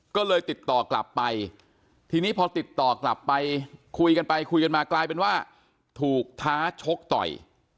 ก็เลยติดต่อกลับไปทีนี้พอติดต่อกลับไปคุยกันไปคุยกันมากลายเป็นว่าถูกท้าชกต่อย